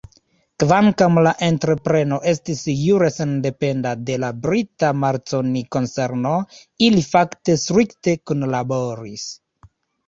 Kvankam la entrepreno estis jure sendependa de la brita Marconi-konserno, ili fakte strikte kunlaboris.